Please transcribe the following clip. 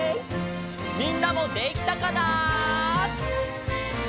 みんなもできたかな？